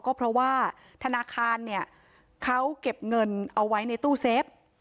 ก็เพราะว่าธนาคารเนี่ยเขาเก็บเงินเอาไว้ในตู้เซฟ